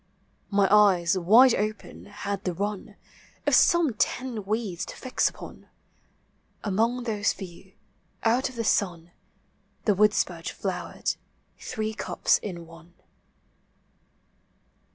My eyes, wide open, had the inn Of some ten weeds to fix npon ; Anions those few, out of the sun. The woodspurge flowered, three cups in one.